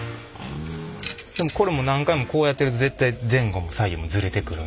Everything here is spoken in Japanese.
でもこれも何回もこうやってると絶対前後も左右もズレてくるんで。